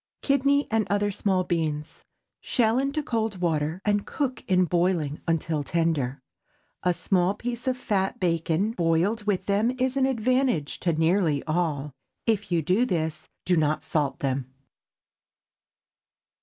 KIDNEY AND OTHER SMALL BEANS. Shell into cold water, and cook in boiling until tender. A small piece of fat bacon boiled with them is an advantage to nearly all. If you do this, do not salt them.